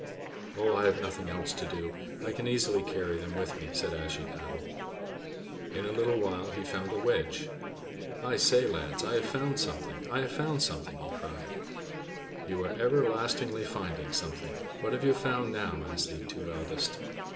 "Oh, I have nothing else to do. I can easily carry them with me," said Ashiepattle. In a little while he found a wedge. "I say, lads, I have found something! I have found something!" he cried. "You are everlastingly finding something! What have you found now?" asked the two eldest.